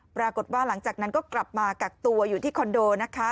ปรากฏว่าหลังจากนั้นก็กลับมากักตัวอยู่ที่คอนโดนะคะ